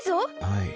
はい。